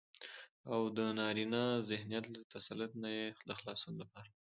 او دنارينه ذهنيت له تسلط نه يې د خلاصون لپاره